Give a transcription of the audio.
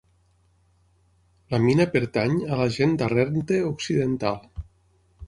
La mina pertany a la gent d'Arrernte Occidental.